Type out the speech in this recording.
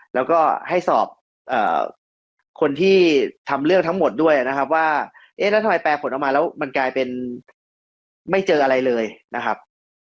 แล้วก็ให้สอบคนที่ทำเรื่องทั้งหมดด้วยนะครับว่าเอ๊ะแล้วทำไมแปลผลออกมาแล้วมันกลายเป็นไม่เจออะไรเลยนะครับ